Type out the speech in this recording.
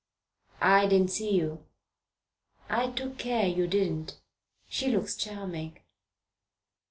"I didn't see you." "I took care you didn't. She looks charming."